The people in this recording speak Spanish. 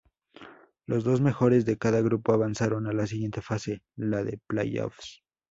Los dos mejores de cada grupo avanzaron a la siguiente fase, la de play-offs.